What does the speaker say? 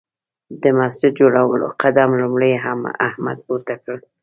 د مسجد جوړولو قدم لومړی احمد پورته کړ.